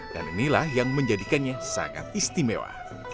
dan inilah yang menjadikannya sangat istimewa